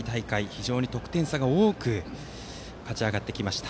非常に得点差が多く勝ち上がってきました。